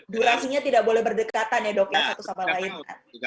durasinya tidak boleh berdekatan ya dok ya satu sama lain